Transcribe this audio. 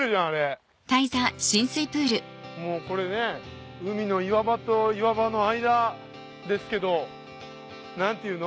もうこれね海の岩場と岩場の間ですけど何て言うの？